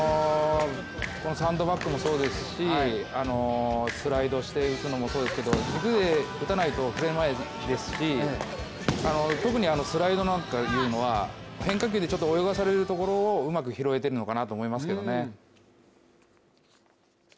サンドバッグもそうですし、スライドしていくのもそうですけれども、軸で打たないと振れないですし、特にスライドなんていうのは変化球で泳がされるところをうまく拾えてるのかなと思いますけどね。